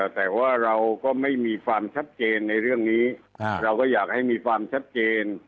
แต่ว่าเราก็ไม่มีความชัดเจนในเรื่องนี้เราก็อยากให้มีความชัดเจน